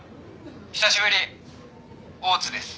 久しぶり大津です。